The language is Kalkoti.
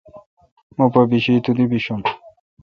مہ پہ بشی تو دی بیشم۔